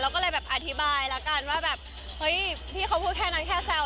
ก็เลยแบบอธิบายแล้วกันว่าแบบเฮ้ยพี่เขาพูดแค่นั้นแค่แซว